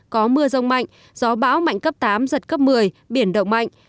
có mưa rông mạnh gió bão mạnh cấp tám giật cấp một mươi biển động mạnh